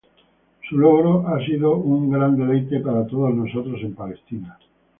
Su logro ha sido un gran deleite para todos nosotros en Palestina.